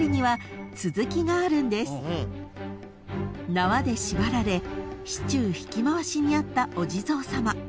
［縄で縛られ市中引き回しに遭ったお地蔵様］